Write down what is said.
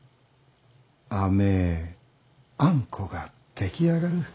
甘えあんこが出来上がる。